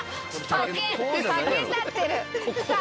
竹になってる！